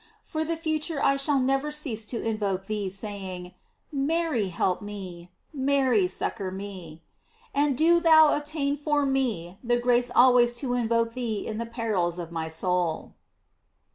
For the future I shall never cease to in voke thee, saying: "Mary, help me; Mary, succor me." And do thou obtain for me the grace al ways to invoke thee in the perils of my soul.